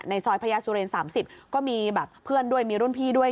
ซอยพญาสุเรน๓๐ก็มีแบบเพื่อนด้วยมีรุ่นพี่ด้วย